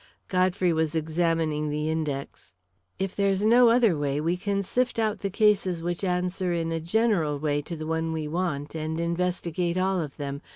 Godfrey was examining the index. "If there's no other way, we can sift out the cases which answer in a general way to the one we want, and investigate all of them.